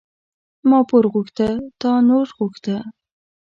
ما پور غوښته تا نور غوښته.